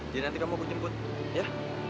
jadi nanti kamu aku jemput ya